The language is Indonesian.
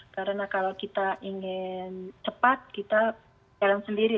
karena kalau kita ingin cepat kita berjalan sendiri